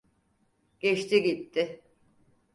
Geçti gitti.